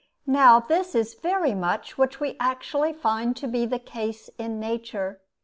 Now, this is very much what we actually find to be the case in nature.